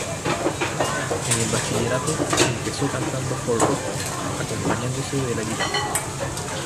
En el bachillerato, empezó cantando folk-rock, acompañándose de la guitarra.